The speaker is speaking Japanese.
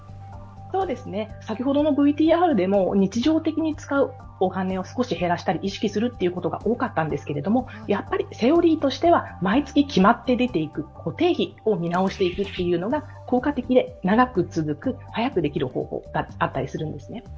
先ほどのＶＴＲでも日常的に使うお金を少し減らしたり意識するということが多かったんですけれども、やはりセオリーとしては毎月決まって出ていく固定費を見直すことが効果的で、長く続く、早くできる方法だったりするんですね。